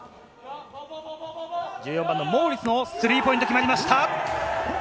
１４番のモウリスのスリーポイント、決まりました。